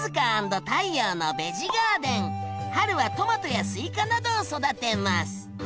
春はトマトやスイカなどを育てます。